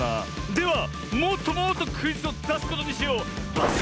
ではもっともっとクイズをだすことにしよう！